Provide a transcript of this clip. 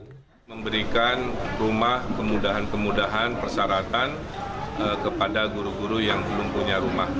kita memberikan rumah kemudahan kemudahan persyaratan kepada guru guru yang belum punya rumah